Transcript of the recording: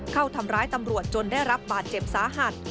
เข้าทำร้ายตำรวจจนได้รับบาดเจ็บสาหัส